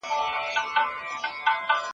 باکتریاوې د انتي بیوتیک پر وړاندې مقاومت لري.